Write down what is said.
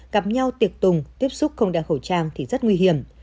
gặp nhau tiệc tùng tiếp xúc không đeo khẩu trang thì rất nguy hiểm